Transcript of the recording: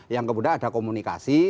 yang kemudian ada komunikasi